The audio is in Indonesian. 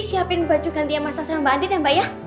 siapin baju gantian masalah sama mbak andin ya mbak ya